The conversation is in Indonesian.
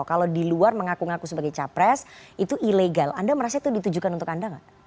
kalau di luar mengaku ngaku sebagai capres itu ilegal anda merasa itu ditujukan untuk anda nggak